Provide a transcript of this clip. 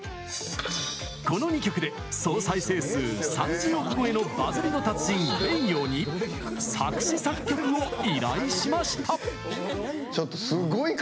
この２曲で総再生数３０億超えのバズりの達人・ｍｅｉｙｏに作詞・作曲を依頼しました！